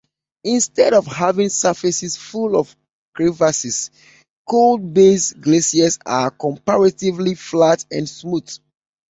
Instead of having surfaces full of crevasses, cold-based glaciers are comparatively flat and smooth.